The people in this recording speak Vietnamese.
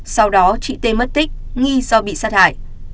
sau đó chị tê mất tích nghi do bị sát hại